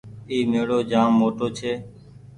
اي ميڙو جآم موٽو ڇي۔